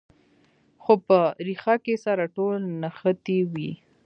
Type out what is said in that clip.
خو په ریښه کې سره ټول نښتي وي.